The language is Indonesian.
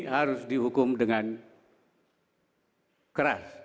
harus dihukum dengan keras